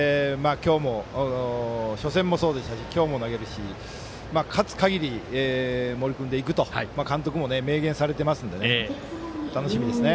初戦もそうでしたし今日も投げるし勝つ限り森君でいくと監督も明言されていますので楽しみですね。